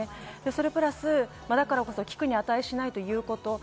それプラス、だからこそ聞くに値しないということ。